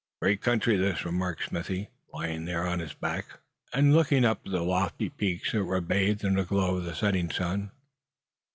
"Great country this," remarked Smithy, lying there on his back, and looking up at the lofty peaks that were bathed in the glow of the setting sun.